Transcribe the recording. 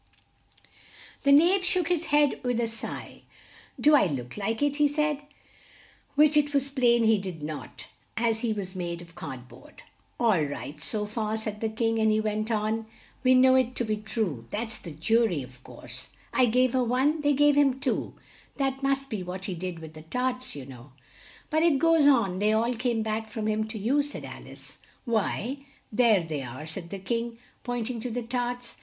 The Knave shook his head with a sigh. "Do I look like it?" he said. (Which it was plain he did not, as he was made of card board.) "All right, so far," said the King, and he went on: "'We know it to be true' that's the ju ry, of course 'I gave her one, they gave him two' that must be what he did with the tarts, you know " "But it goes on, 'they all came back from him to you,'" said Al ice. "Why, there they are," said the King, point ing to the tarts.